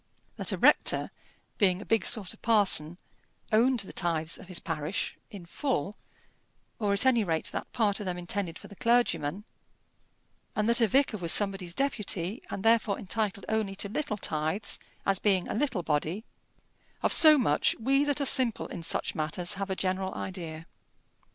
That a rector, being a big sort of parson, owned the tithes of his parish in full, or at any rate that part of them intended for the clergyman, and that a vicar was somebody's deputy, and therefore entitled only to little tithes, as being a little body: of so much we that are simple in such matters have a general idea.